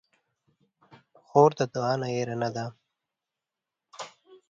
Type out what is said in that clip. خور د دعا نه هېره نه ده.